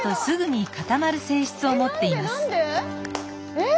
えっ？